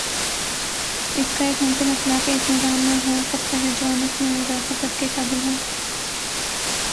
اس کا ایک ممکنہ اطلاق ایس نظام میں ہو سکتا ہے جو انس میں اضافہ کر کے قابل ہو